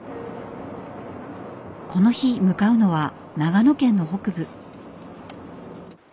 この日向かうのは長野県の北部。